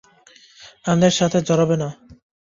আমাদের সাথে জরাবে না।